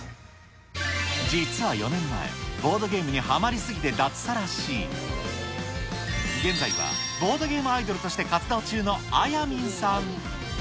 実は４年前、ボードゲームにはまりすぎて脱サラし、現在はボードゲームアイドルとして活動中のあやみんさん。